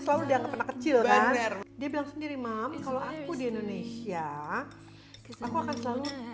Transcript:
selalu dianggap anak kecil kan dia bilang sendiri mam kalau aku di indonesia aku akan selalu